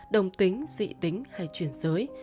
đồng tính dị tính hay chuyển giới